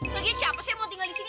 lagian siapa saya mau tinggal di sini